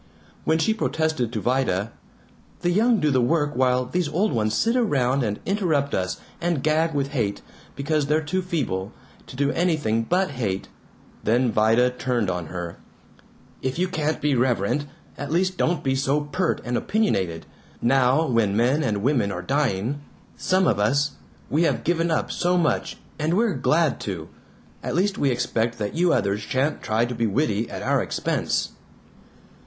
When she protested to Vida, "The young do the work while these old ones sit around and interrupt us and gag with hate because they're too feeble to do anything but hate," then Vida turned on her: "If you can't be reverent, at least don't be so pert and opinionated, now when men and women are dying. Some of us we have given up so much, and we're glad to. At least we expect that you others sha'n't try to be witty at our expense."